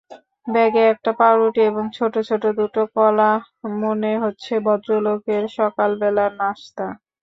ব্যাগে একটা পাউরুটি এবং ছোট-ছোট দুটো কলা মনে হচ্ছে ভদ্রলোকের সকালবেলার নাশতা!